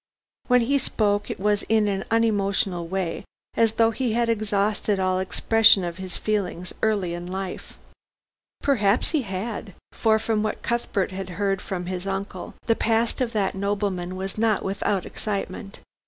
When he spoke it was in an unemotional way, as though he had exhausted all expression of his feelings early in life. Perhaps he had, for from what Cuthbert had heard from his uncle, the past of that nobleman was not without excitement.